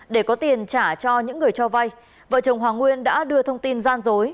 để có tiền trả cho những người cho vay vợ chồng hoàng nguyên đã đưa thông tin gian dối